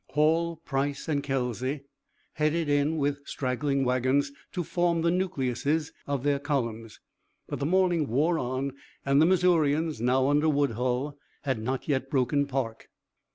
Hall, Price, and Kelsey headed in with straggling wagons to form the nucleuses of their columns; but the morning wore on and the Missourians, now under Woodhull, had not yet broken park.